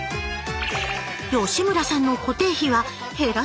吉村さんの固定費は減らせるのか？